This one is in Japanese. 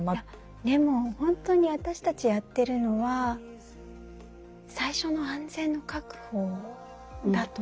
でもほんとに私たちやってるのは最初の安全の確保だと思います。